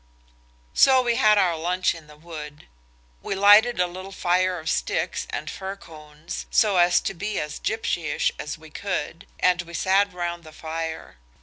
So we had our lunch in the wood. We lighted a little fire of sticks and fir cones, so as to be as gipsyish as we could, and we sat round the fire.